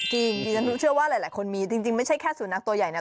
จริงดิฉันเชื่อว่าหลายคนมีจริงไม่ใช่แค่สุนัขตัวใหญ่นะ